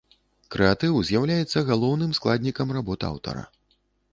Крэатыў з'яўляецца галоўным складнікам работ аўтара.